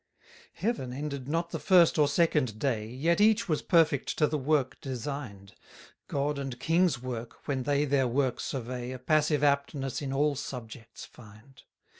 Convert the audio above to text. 141 Heaven ended not the first or second day, Yet each was perfect to the work design'd; God and king's work, when they their work survey, A passive aptness in all subjects find.